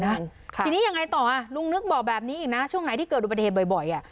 ทีนี้ยังไงต่ออ่ะลุงนึกบอกแบบนี้อีกนะช่วงไหนที่เกิดอุบัติเหตุบ่อยอ่ะ